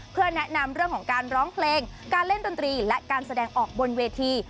เพื่อแนะนำเรื่องของการร้องเพลงการเล่นดนตรีและการแสดงออกบนเวที